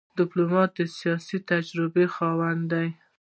ډيپلومات د سیاسي تجربې خاوند وي.